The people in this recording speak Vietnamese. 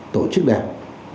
tổ chức đảng